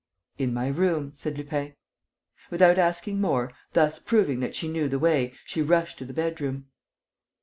"In my room," said Lupin. Without asking more, thus proving that she knew the way, she rushed to the bedroom.